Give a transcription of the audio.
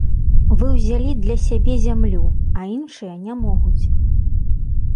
Вы ўзялі для сябе зямлю, а іншыя не могуць.